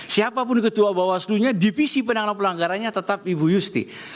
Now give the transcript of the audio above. siapapun ketua bawaslunya divisi penanganan pelanggarannya tetap ibu yusti